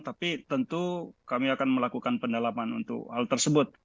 tapi tentu kami akan melakukan pendalaman untuk hal tersebut